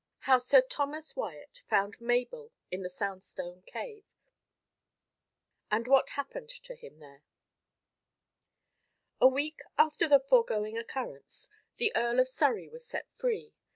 How Sir Thomas Wyat found Mabel in the Sandstone Cave, and what happened to him there A week after the foregoing occurrence, the Earl of Surrey was set free.